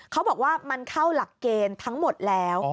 เขาบอกว่ามันเข้าหลักเกณฑ์ทั้งหมดแล้ว